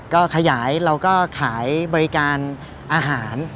ก็ขยายเราก็ขายบริการอาหาร